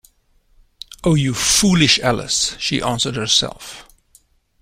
‘Oh, you foolish Alice!’ she answered herself.